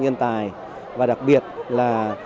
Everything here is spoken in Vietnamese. nhân tài và đặc biệt là